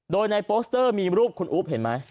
โดยในโปสเตอร์มีรูปคุณอุ๊บเห็นไหม